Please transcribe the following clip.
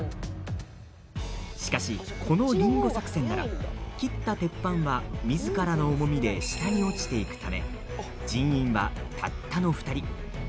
しかし、このリンゴ作戦なら切った鉄板は、みずからの重みで下に落ちていくため人員はたったの２人。